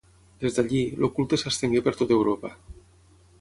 Des d'allí, el culte s'estengué per tot Europa.